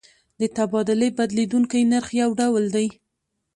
د تبادلې بدلیدونکی نرخ یو ډول دی.